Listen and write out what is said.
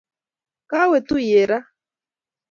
Kawe tuiyet raa